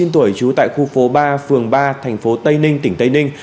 tuổi trú tại khu phố ba phường ba thành phố tây ninh tỉnh tây ninh